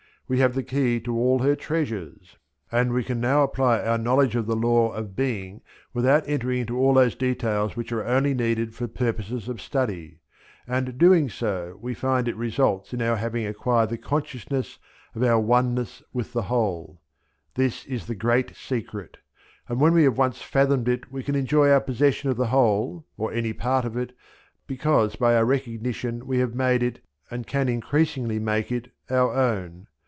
We have the key to all her treasures, and we can now apply our knowledge of the law of being without entering into all those details which are only needed for purposes of study, and doing so we find it results in our having acquired the consciousness of our oneness with the whole. This is the great secret: and when we have once fathomed it we can enjoy our possession of the whole, or of any part of it, because by our recognition we have made it, and can increasingly make it, our own.